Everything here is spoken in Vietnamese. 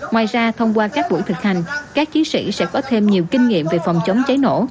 ngoài ra thông qua các buổi thực hành các chiến sĩ sẽ có thêm nhiều kinh nghiệm về phòng chống cháy nổ